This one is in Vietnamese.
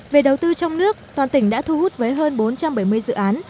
về đầu tư trong nước toàn tỉnh đã thu hút với hơn bốn trăm bảy mươi dự án